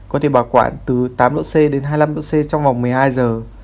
có thể bảo quản từ tám độ c đến hai mươi năm độ c trong vòng một mươi hai giờ